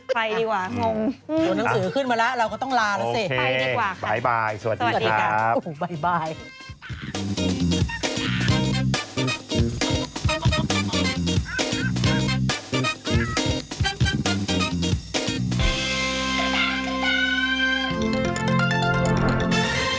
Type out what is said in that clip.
ไปดีกว่าค่ะสวัสดีครับบ๊ายบายสวัสดีครับสวัสดีครับ